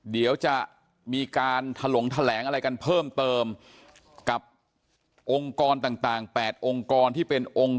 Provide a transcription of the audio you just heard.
เดี๋ยวจะมีการถลงแถลงอะไรกันเพิ่มเติมกับองค์กรต่างต่าง